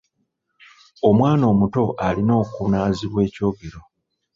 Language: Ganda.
Omwana omuto alina okunaazibwa ekyogero.